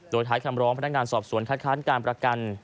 โดยท้ายคำร้องพนักงานสอบสวนคัดค้านการประกัน